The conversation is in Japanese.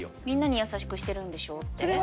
みんなに優しくしてるんでしょ？って。